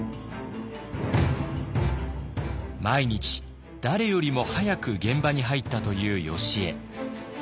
毎日誰よりも早く現場に入ったというよしえ。